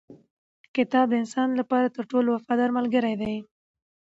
کتاب د انسان لپاره تر ټولو وفادار ملګری دی